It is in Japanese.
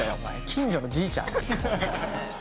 近所のじいちゃん？